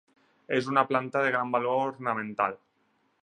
És una planta de gran valor ornamental.